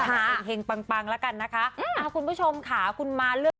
เอ็งเฮงปังปังแล้วกันนะคะขอบคุณผู้ชมค่ะขอบคุณมาเลือก